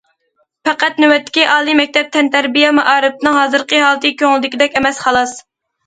پەقەت نۆۋەتتىكى ئالىي مەكتەپ تەنتەربىيە مائارىپىنىڭ ھازىرقى ھالىتى كۆڭۈلدىكىدەك ئەمەس خالاس.